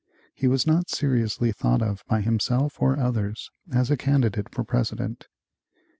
He was not seriously thought of by himself or others as a candidate for President.